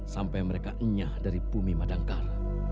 sampai mereka enyah dari bumi madangkar